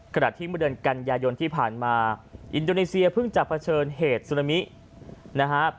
ขณะที่เมื่อเดือนกันยายนที่ผ่านมาอินโดนีเซียเพิ่งจะเผชิญเหตุสุนามินะฮะ